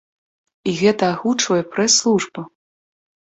І гэта агучвае прэс-служба!